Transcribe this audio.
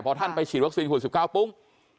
พอท่านไปฉีดวัคซีนขวด๑๙ปุ้ง